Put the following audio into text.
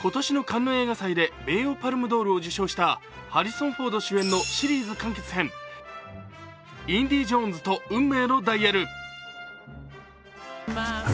今年のカンヌ映画祭で名誉パルムドールを受賞したハリソン・フォード主演のシリーズ完結編、「インディ・ジョーンズと運命のダイヤル」